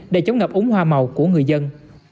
để chống ngập ống hoa màu của người dân